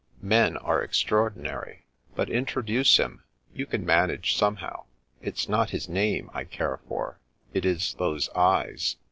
" Men are extraordinary ! But, introduce him. You can manage somehow. It's not his name I care for. It is those eyes.